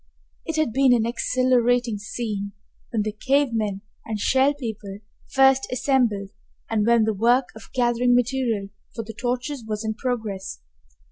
It had been an exhilarating scene when the cave men and Shell People first assembled and when the work of gathering material for the torches was in progress.